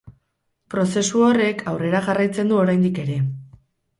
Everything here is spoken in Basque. Prozesu horrek aurrera jarraitzen du, oraindik ere.